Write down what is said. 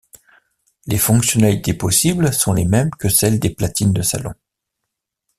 Les fonctionnalités possibles sont les mêmes que celles des platines de salon.